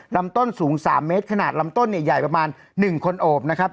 ลำต้นสูง๓เมตรขนาดลำต้นเนี่ยใหญ่ประมาณ๑คนโอบนะครับ